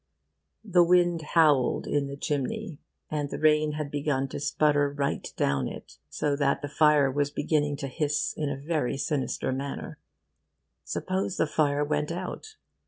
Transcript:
The wind howled in the chimney, and the rain had begun to sputter right down it, so that the fire was beginning to hiss in a very sinister manner. Suppose the fire went out!